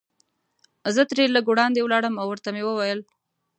زه ترې لږ وړاندې ولاړم او ورته مې وویل.